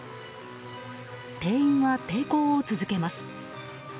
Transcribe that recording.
店員は抵抗を続けます。